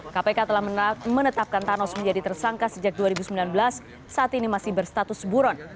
kpk telah menetapkan thanos menjadi tersangka sejak dua ribu sembilan belas saat ini masih berstatus buron